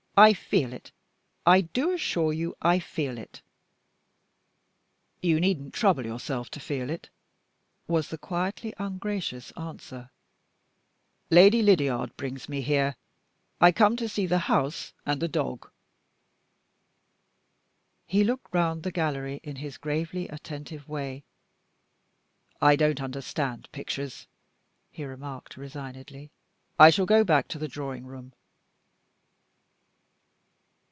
"I feel it I do assure you I feel it!" "You needn't trouble yourself to feel it," was the quietly ungracious answer. "Lady Lydiard brings me here. I come to see the house and the dog." He looked round the gallery in his gravely attentive way. "I don't understand pictures," he remarked resignedly. "I shall go back to the drawing room."